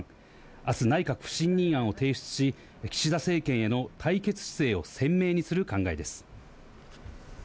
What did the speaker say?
あす内閣不信任案を提出し、岸田政権への対決姿勢を鮮明にする考えです。